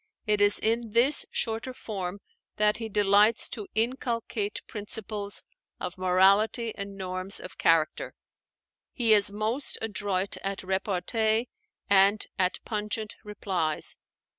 It is in this shorter form that he delights to inculcate principles of morality and norms of character. He is most adroit at repartee and at pungent replies.